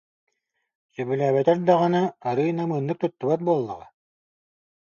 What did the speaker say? Сөбүлээбэтэр даҕаны арыый намыыннык туттубат буоллаҕа